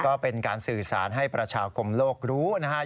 ก็เป็นการสื่อสารให้ประชาคมโลกรู้นะครับ